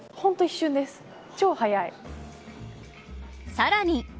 さらに。